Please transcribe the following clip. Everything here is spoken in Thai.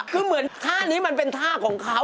คือเหมือนท่านี้มันเป็นท่าของเขา